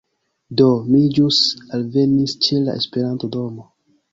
Do, mi ĵus alvenis ĉe la Esperanto-domo